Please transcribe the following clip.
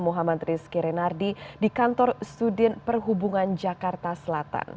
muhammad rizky renardi di kantor sudin perhubungan jakarta selatan